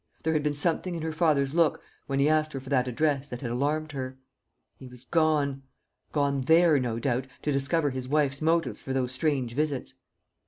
There had been something in her father's look when he asked her for that address that had alarmed her. He was gone; gone there, no doubt, to discover his wife's motives for those strange visits.